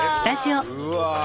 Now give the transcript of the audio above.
うわ！